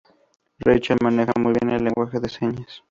Rachel maneja muy bien el lenguaje de señas.